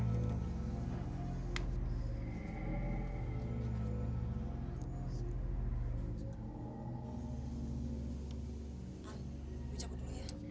mimpi lo ada diskotiknya juga